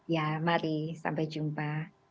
ya mari sampai jumpa